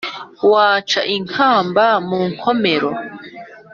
waca inkamba mu nkomero